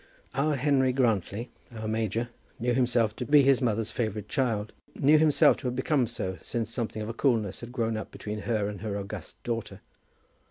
Our Henry Grantly, our major, knew himself to be his mother's favourite child, knew himself to have become so since something of coolness had grown up between her and her august daughter.